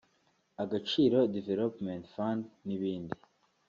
Agaciro Development Fund n’ibindi